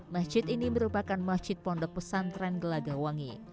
masjid ini merupakan masjid pondok pesantren gelagawangi